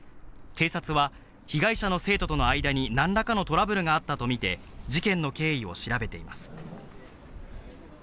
警察は被害者の生徒との間になんらかのトラブルがあったと見て、事件の経緯を調べています。